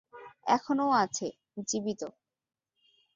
এখনও আছে, জীবিত।